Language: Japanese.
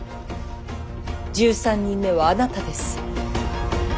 １３人目はあなたです。